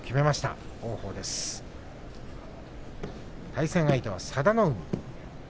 対戦相手は佐田の海。